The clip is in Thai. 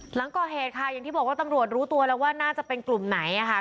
หลังก่อเหตุค่ะอย่างที่บอกว่าตำรวจรู้ตัวแล้วว่าน่าจะเป็นกลุ่มไหนค่ะ